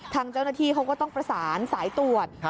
ทางเจ้าหน้าที่เขาก็ต้องประสานสายตรวจ